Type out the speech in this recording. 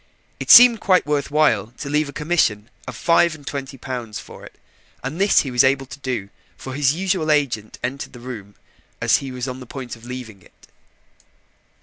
It seemed quite worth while to leave a commission of five and twenty pounds for it, and this he was able to do, for his usual agent entered the room as he was on the point of leaving it.